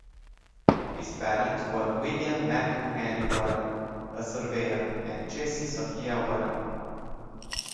His parents were William Matthew Henry Warren, a surveyor, and Jessie Sophia Warren.